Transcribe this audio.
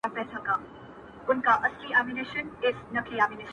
منم چـــــــې مايوســــي به وي ګناه! خـــــــــو بې د تا نه